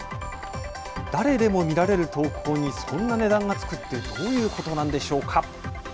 誰でも見られる投稿にそんな値段がつくってどういうことなんでしょうか。